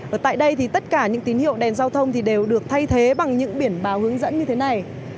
và tại đây thì tất cả những tín hiệu đèn giao thông thì đều được thay thế bằng những biển báo hướng dẫn như thế này